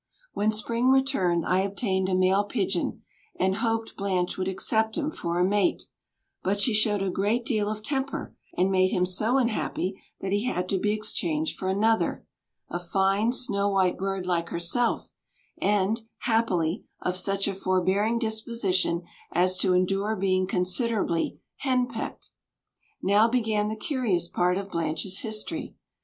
When spring returned I obtained a male pigeon, and hoped Blanche would accept him for a mate, but she showed a great deal of temper, and made him so unhappy that he had to be exchanged for another a fine snow white bird like herself, and, happily, of such a forbearing disposition as to endure being considerably "hen pecked." Now began the curious part of Blanche's history.